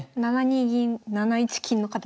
７二銀７一金の形。